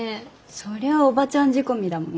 そりゃおばちゃん仕込みだもん。